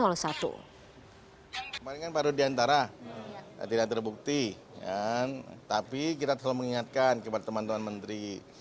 kemarin kan pak rudiantara tidak terbukti tapi kita telah mengingatkan kepada teman teman menteri